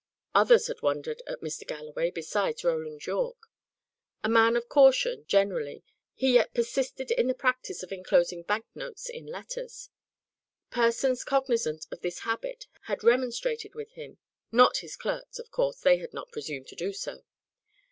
Others had wondered at Mr. Galloway, besides Roland Yorke. A man of caution, generally, he yet persisted in the practice of enclosing bank notes in letters. Persons cognizant of this habit had remonstrated with him; not his clerks of course they had not presumed to do so.